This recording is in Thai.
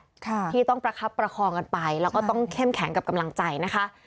ค่ะที่ต้องประคับประคองกันไปแล้วก็ต้องเข้มแข็งกับกำลังใจนะคะ